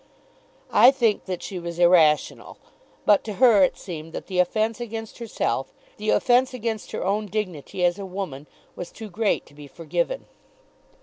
I think that she was irrational; but to her it seemed that the offence against herself, the offence against her own dignity as a woman, was too great to be forgiven.